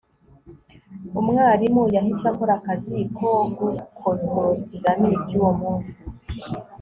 umwarimu yahise akora akazi ko gukosora ikizamini cyuwo munsi